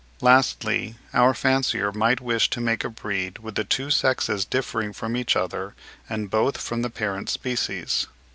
Lastly, our fancier might wish to make a breed with the two sexes differing from each other, and both from the parent species.